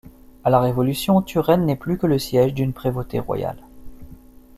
À la Révolution, Turenne n'est plus que le siège d'une prévôté royale.